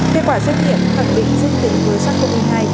kết quả xét nghiệm khẳng định dương tính với sars cov hai